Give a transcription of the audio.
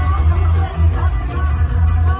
มันเป็นเมื่อไหร่แล้ว